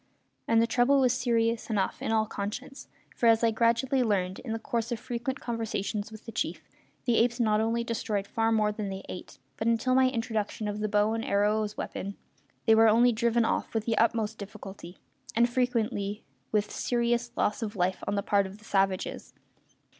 And the trouble was serious enough, in all conscience, for as I gradually learned, in the course of frequent conversations with the chief the apes not only destroyed far more than they ate, but, until my introduction of the bow and arrow as a weapon, they were only driven off with the utmost difficulty, and frequently with serious loss of life on the part of the savages.